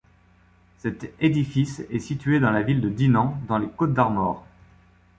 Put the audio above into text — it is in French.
Cet édifice est situé dans la ville de Dinan, dans les Côtes-d'Armor.